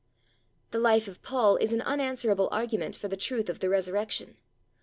" The life of Paul is an unanswerable argument for the truth of the Resurrection.